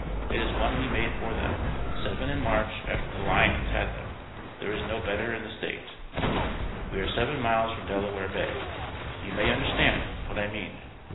it is one we made for them, 7 in march after the lions had them there is no better in the State, we are 7 miles from Delaware Bay. you may understand what i mean.